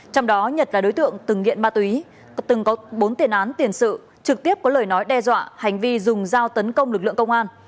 trong đó nhật là đối tượng từng nghiện ma túy từng có bốn tiền án tiền sự trực tiếp có lời nói đe dọa hành vi dùng dao tấn công lực lượng công an